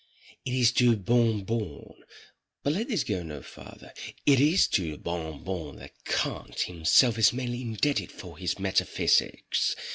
It is to Bon Bon—but let this go no farther—it is to Bon Bon that Kant himself is mainly indebted for his metaphysics.